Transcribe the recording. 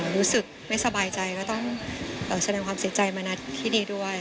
รู้สึกไม่สบายใจก็ต้องแสดงความเสียใจมานัดที่ดีด้วย